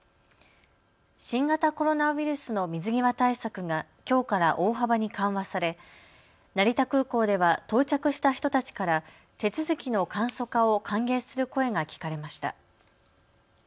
新型コロナウイルスの水際対策がきょうから大幅に緩和され成田空港では到着した人たちから手続きの簡素化を歓迎する声が聞かれました。